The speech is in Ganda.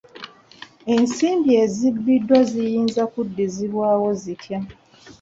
Ensimbi ezibbiddwa ziyinza kuddizibwawo zitya?